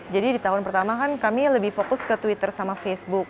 jadi di tahun pertama kan kami lebih fokus ke twitter sama facebook